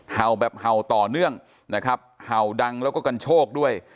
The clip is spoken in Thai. เห่าแบบเห่าต่อเนื่องนะครับเห่าดังแล้วก็กันโชคด้วย